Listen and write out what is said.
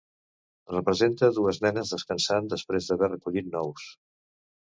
Representa dues nenes descansant després d'haver recollit nous.